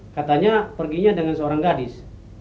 katanya perginya dengan seorang gadis